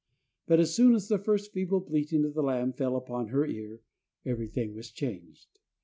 But as soon as the first feeble bleating of the lamb fell upon her ear, everything was changed.